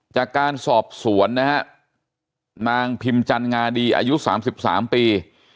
จากการสอบสวนนะฮะนางพิมจันงาดีอายุ๓๓ปี